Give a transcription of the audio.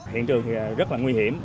hiện trường rất là nguy hiểm